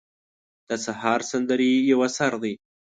د سهار سندرې یو اثر دی.